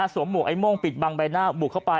หมวกไอ้โม่งปิดบังใบหน้าบุกเข้าไป